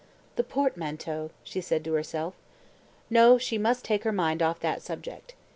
"The portmanteau," she said to herself. ... No; she must take her mind off that subject.